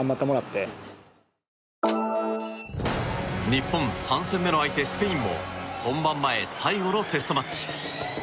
日本３戦目の相手、スペインも本番前最後のテストマッチ。